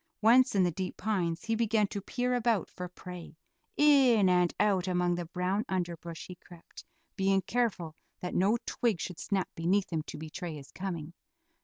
Once in the deep pines he began to peer about for prey; in and out among the brown underbrush he crept, being careful that no twig should snap beneath him to betray his coming.